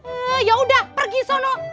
eh yaudah pergi sono